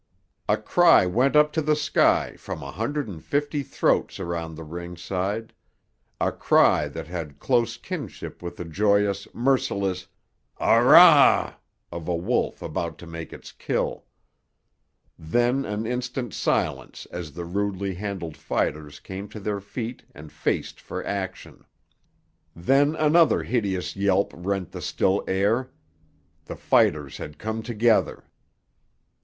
A cry went up to the sky from a hundred and fifty throats around the ringside—a cry that had close kinship with the joyous, merciless "Au rr ruh" of a wolf about to make its kill. Then an instant's silence as the rudely handled fighters came to their feet and faced for action. Then another hideous yelp rent the still air; the fighters had come together!